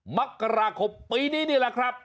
มกราคมปีนี้นี่แหละครับ